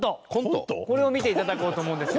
これを見て頂こうと思うんですよ。